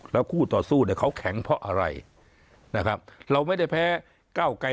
แล้วคู่ต่อสู้เนี่ยเขาแข็งเพราะอะไรนะครับเราไม่ได้แพ้เก้าไกร